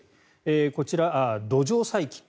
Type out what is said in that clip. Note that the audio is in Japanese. こちら、土壌細菌。